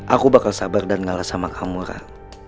aku bakal sabar dan ngalah sama kamu kan